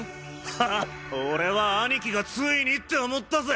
ハッ俺は兄貴がついにって思ったぜ。